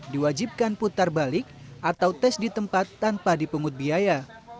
diwajibkan putar balik atau tes di tempat tanpa dipungut biaya